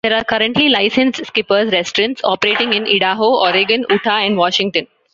There are currently licensed Skippers restaurants operating in Idaho, Oregon, Utah and Washington.